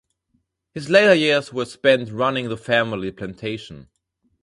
His later years were spent running the family plantation.